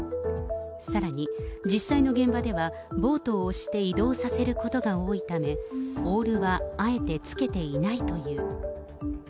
さらに、実際の現場ではボートを押して移動させることが多いため、オールはあえてつけていないという。